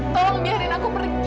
tolong biarin aku pergi